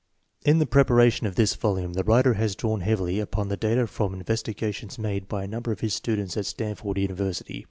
In the preparation of this volume the writer has drawn heavily upon the data from investigations made by a number of his students at Stanford University.